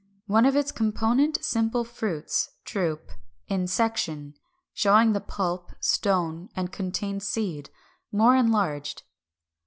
One of its component simple fruits (drupe) in section, showing the pulp, stone, and contained seed; more enlarged.